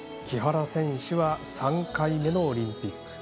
木原選手は３回目のオリンピック。